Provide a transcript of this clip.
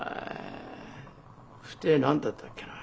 不定何だったっけな？